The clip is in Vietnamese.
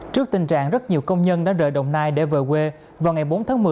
trước tình trạng rất nhiều công nhân đã rời đồng nai để về quê vào ngày bốn tháng một mươi